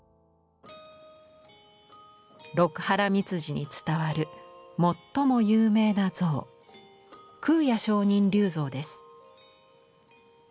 六波羅蜜寺に伝わる最も有名な像「空也上人立像」です。